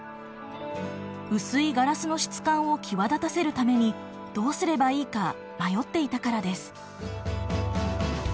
薄いガラスの質感を際立たせるためにどうすればいいか迷っていたからです。